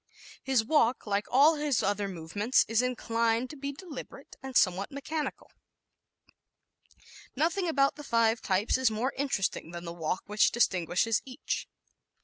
His walk, like all his other movements, is inclined to be deliberate and somewhat mechanical. ¶ Nothing about the five types is more interesting than the walk which distinguishes each.